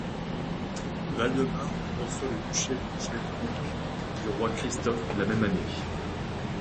Valdemar reçoit le duché de Schleswig du roi Christophe la même année.